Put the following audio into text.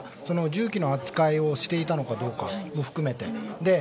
銃器の扱いをしていたのかどうかも含めて。